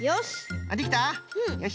よし！